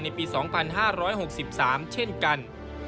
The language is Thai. ปี๒๕๖๓เช่นกัน